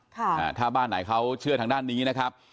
ถ้าบ้านไหนเขาเชื่อทางด้านนี้นะครับ